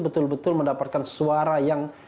betul betul mendapatkan suara yang